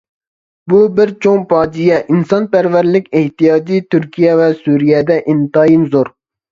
بۇ بىر چوڭ پاجىئە ئىنسانپەرۋەرلىك ئېھتىياجى تۈركىيە ۋە سۈرىيەدە ئىنتايىن زور.